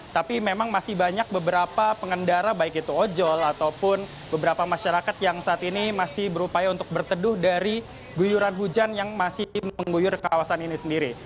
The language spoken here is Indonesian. tapi memang masih banyak beberapa pengendara baik itu ojol ataupun beberapa masyarakat yang saat ini masih berupaya untuk berteduh dari guyuran hujan yang masih mengguyur kawasan ini sendiri